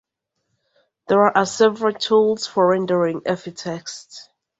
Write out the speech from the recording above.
There are several tools for rendering Epytext.